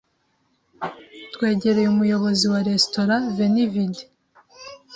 twegereye umuyobozi wa restaurant veni vidi,